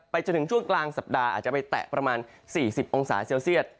จนถึงช่วงกลางสัปดาห์อาจจะไปแตะประมาณ๔๐องศาเซลเซียต